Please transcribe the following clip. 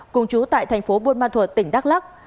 cùng chú tại tp buôn ma thuật tỉnh đắk lắc